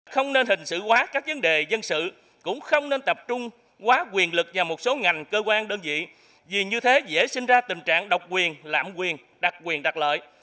không nên hình sự quá các vấn đề dân sự cũng không nên tập trung quá quyền lực vào một số ngành cơ quan đơn vị vì như thế dễ sinh ra tình trạng độc quyền lạm quyền đặc quyền đặc lợi